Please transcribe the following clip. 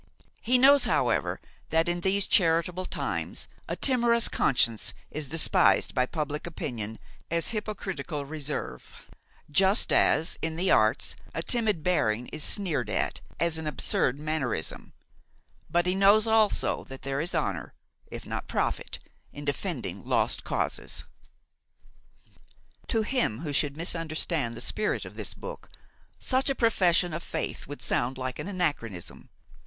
He knows, however, that, in these charitable times, a timorous conscience is despised by public opinion as hypocritical reserve, just as, in the arts, a timid bearing is sneered at as an absurd mannerism; but he knows also that there is honor, if not profit, in defending lost causes. To him who should misunderstand the spirit of this book, such a profession of faith would sound like an anachronism.